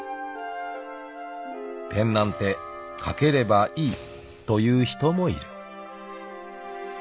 ［ペンなんて書ければいいという人もいる］